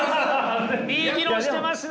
いい議論してますね！